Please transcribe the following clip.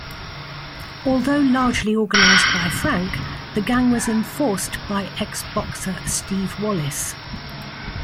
Although largely organized by Frank, the gang was enforced by ex-boxer Steve Wallace.